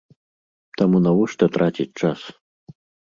Таму навошта траціць час?